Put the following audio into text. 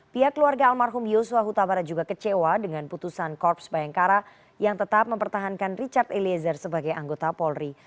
pihak keluarga almarhum yosua huta barat juga kecewa dengan putusan korps bayangkara yang tetap mempertahankan richard eliezer sebagai anggota polri